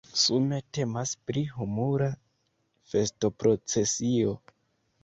Sume temas pri humura festoprocesio.